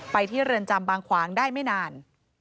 ที่เรือนจำบางขวางได้ไม่นาน